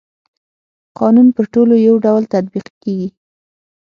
قانون پر ټولو يو ډول تطبيق کيږي.